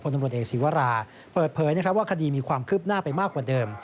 ตำรวจเอกศีวราเปิดเผยว่าคดีมีความคืบหน้าไปมากกว่าเดิม